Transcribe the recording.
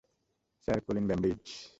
Sir Colin Bambridge!